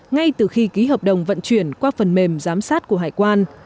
ngay từ khi ký hợp đồng vận chuyển qua phần mềm giám sát của hải quan